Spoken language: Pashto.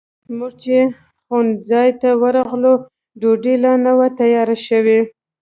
موږ چې خوړنځای ته ورغلو، ډوډۍ لا نه وه تیاره شوې.